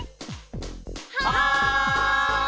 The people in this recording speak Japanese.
はい！